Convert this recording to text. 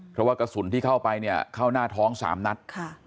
เพราะว่ากระสุนที่เข้าไปเนี่ยเข้าหน้าท้อง๓นัด